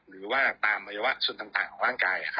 หรือว่าตามอวัยวะส่วนต่างของร่างกาย